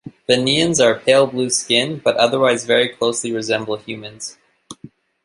Vineans are of pale blue skin, but otherwise very closely resemble humans.